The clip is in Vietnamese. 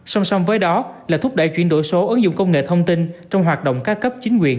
song song với đó là thúc đẩy chuyển đổi số ứng dụng công nghệ thông tin trong hoạt động các cấp chính quyền